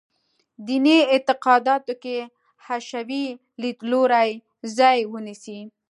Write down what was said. دیني اعتقاداتو کې حشوي لیدلوری ځای ونیسي.